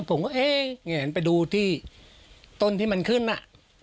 ผมก็เอ๊ะแงนไปดูที่ต้นที่มันขึ้นน่ะ